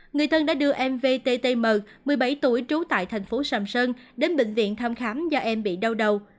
người thân đã đưa em vttm một mươi bảy tuổi trú tại tp sàm sơn đến bệnh viện thăm khám do em bị đau đầu